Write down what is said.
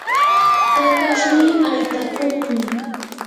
kakashnii haytakuqmi.